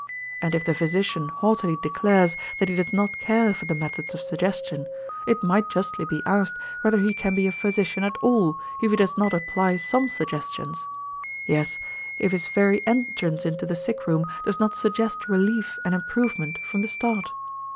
And if the physician haughtily declares that he does not care for the methods of suggestion, it might justly be asked whether he can be a physician at all if he does not apply some suggestions; yes, if his very entrance into the sick room does not suggest relief and improvement from the start.